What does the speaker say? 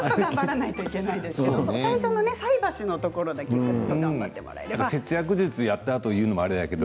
最初の菜箸のところぐっと頑張ってもらえれば。